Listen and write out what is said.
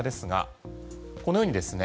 このようにですね